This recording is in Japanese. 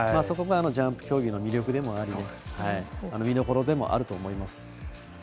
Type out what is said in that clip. そこがジャンプ競技の魅力でもあり見どころでもあると思います。